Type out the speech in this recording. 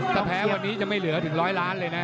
ถ้าแพ้วันนี้จะไม่เหลือถึงร้อยล้านเลยนะ